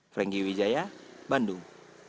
frenkie wijaya bandung